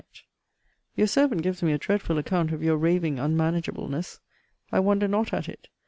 NIGHT. Your servant gives me a dreadful account of your raving unmanageableness. I wonder not at it.